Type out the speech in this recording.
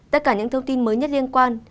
tất cả những thông tin mới nhất liên quan